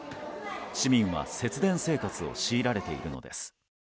市民は節電生活を強いられているのです。